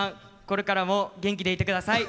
これからも元気でいて下さい。